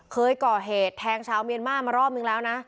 เคยก่อเหตุแทงชาวเมียนมาร์มารอบนึงแล้วนะ